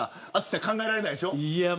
淳さん考えられないでしょ。